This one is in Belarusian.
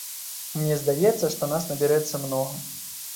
Мне здаецца, што нас набярэцца многа.